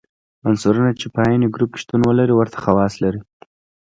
عنصرونه چې په عین ګروپ کې شتون ولري ورته خواص لري.